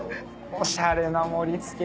おしゃれな盛り付け。